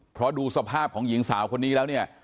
เพราะดูสภาพของหญิงสาวคนนี้แล้วเนี่ย